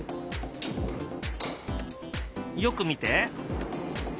よく見て。